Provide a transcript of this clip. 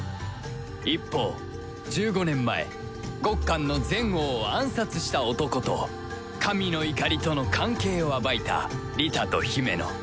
一方１５年前ゴッカンの前王を暗殺した男と神の怒りとの関係を暴いたリタとヒメノ